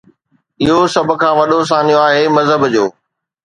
اهو سڀ کان وڏو سانحو آهي مذهب جو.